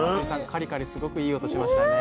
カリカリすごくいい音しましたね。